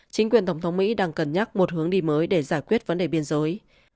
chính quyền tổng thống mỹ đang cân nhắc một hướng đi mới để giải quyết vấn đề biên giới